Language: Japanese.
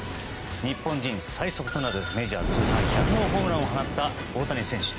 日本人最速となるメジャー通算１００号を放った大谷選手。